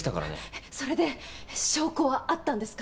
えっそれで証拠はあったんですか？